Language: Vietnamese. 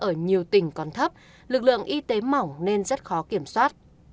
ở nhiều tỉnh còn thấp lực lượng y tế mỏng nên rất khó kiểm soát